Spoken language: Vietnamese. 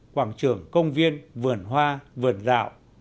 quảng trường công viên vườn hoa vườn rạo